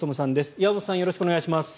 岩本さんよろしくお願いします。